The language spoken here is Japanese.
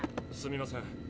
すみません。